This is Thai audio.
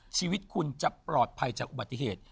ชีวิตคุณจะปลอดภัยจากอุบัติเหตุ